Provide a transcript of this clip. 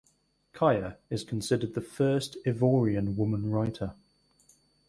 Kaya is considered the first Ivorian woman writer.